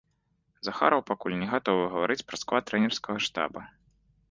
Захараў пакуль не гатовы гаварыць пра склад трэнерскага штаба.